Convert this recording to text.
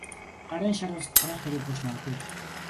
Гарын шар ус тараах хэрэг болж магадгүй л байх.